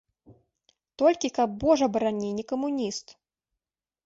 Толькі каб, божа барані, не камуніст!